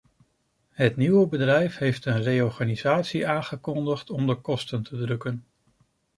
Het nieuwe bedrijf heeft een reorganisatie aangekondigd om de kosten te drukken.